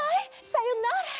さよなら！